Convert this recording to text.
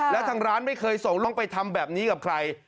แล้วทางร้านไม่เคยส่งต้องไปทำแบบนี้กับใคร